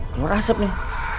keluar asep nih